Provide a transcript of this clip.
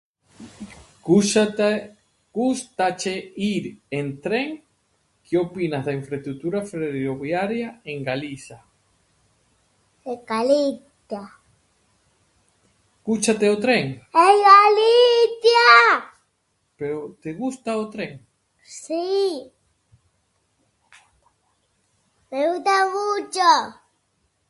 Cuxáte, gústache ir en tren? Que opinas da infraestructura ferroviaria en Galisa? En Galicia. Cútache o tren? En Galicia. Pero te gusta o tren? Si, me gusta mucho.